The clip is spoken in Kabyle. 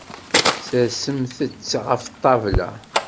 Sersemt-tt ɣef ṭṭabla.